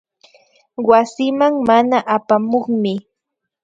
Wasiman mana apamukmi